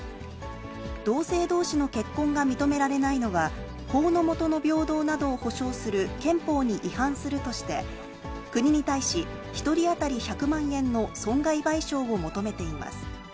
同性どうしの結婚が認められないのは、法の下の平等などを保障する憲法に違反するとして、国に対し、１人当たり１００万円の損害賠償を求めています。